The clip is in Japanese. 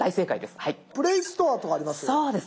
「Ｐｌａｙストア」とかあります。